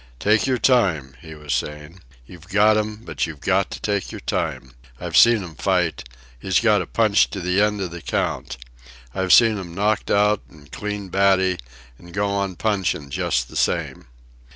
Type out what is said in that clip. "Take your time," he was saying. "You've got 'm, but you got to take your time. I've seen 'm fight. He's got a punch to the end of the count. I've seen 'm knocked out and clean batty, an' go on punching just the same.